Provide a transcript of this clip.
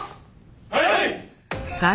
はい！